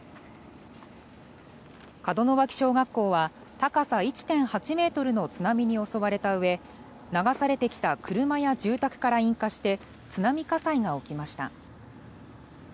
門脇小学校は高さ１．８ｍの津波に襲われたうえ流されてきた車や住宅から引火して津波火災が起きました。